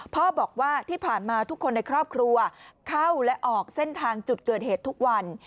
พ่อบอกว่าที่ผ่านมาทุกคนในครอบครัวเข้าและออกเส้นทางจุดเกิดเหตุทุกวัน